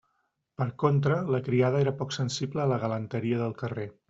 Per contra, la criada era poc sensible a la galanteria del carrer.